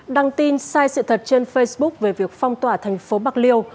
đăng tin sai sự thật trên facebook về việc phong tỏa thành phố bạc liêu